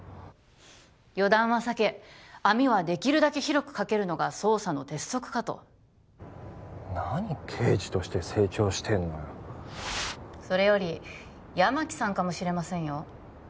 予断はさけ網はできるだけ広くかけるのが捜査の鉄則かと何刑事として成長してんのよそれより八巻さんかもしれませんよ